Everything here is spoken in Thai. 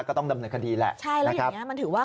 ก็ต้องดำเนินคดีแหละใช่แล้วอย่างเงี้มันถือว่า